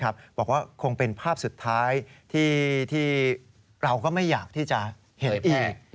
บอกว่าคงเป็นภาพสุดท้ายที่เราก็ไม่อยากที่จะเห็นอีก